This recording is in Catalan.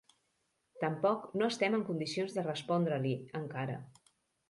Tampoc no estem en condicions de respondre-li, encara.